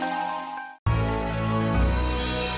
kenapa riri ngingetin aku sama karin